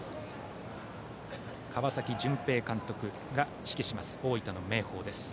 川崎絢平監督が指揮します大分の明豊です。